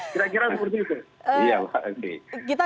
kira kira seperti itu